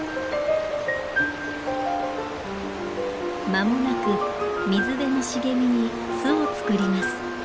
まもなく水辺の茂みに巣を作ります。